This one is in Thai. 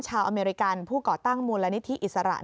อเมริกันผู้ก่อตั้งมูลนิธิอิสระ